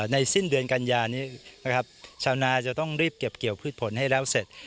สิ้นเดือนกันยานี้นะครับชาวนาจะต้องรีบเก็บเกี่ยวพืชผลให้แล้วเสร็จ